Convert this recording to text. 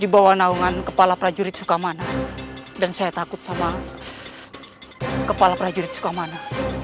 di bawah naungan kepala prajurit sukamana dan saya takut sama kepala prajurit sukamana